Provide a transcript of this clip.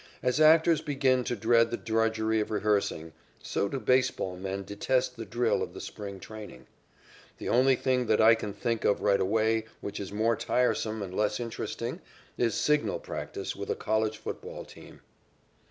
As actors begin to dread the drudgery of rehearsing, so do baseball men detest the drill of the spring training. The only thing that I can think of right away which is more tiresome and less interesting is signal practice with a college football team.